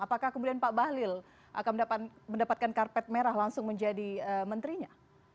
apakah kemudian pak bahlil akan mendapatkan karpet merah langsung menjadi menterinya